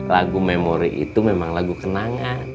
lagu memori itu memang lagu kenangan